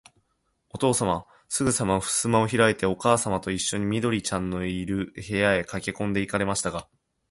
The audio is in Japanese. おとうさまは、すぐさまふすまをひらいて、おかあさまといっしょに、緑ちゃんのいる、部屋へかけこんで行かれましたが、